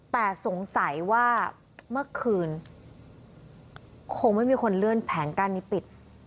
แต่สงสัยว่าเมื่อคืนคงไม่มีคนเลื่อนแผงกั้นนี้ปิด